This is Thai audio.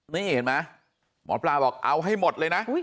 นี่เห็นไหมหมอปลาบอกเอาให้หมดเลยนะ